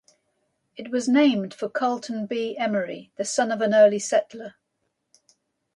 It was named for Carleton B. Emory, the son of an early settler.